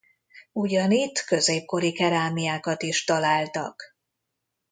Ugyanitt középkori kerámiákat is találtak.